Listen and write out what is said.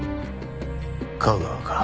架川か。